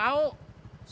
saya mau ambil nasi tumpeng